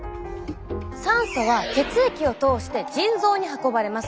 酸素は血液を通して腎臓に運ばれます。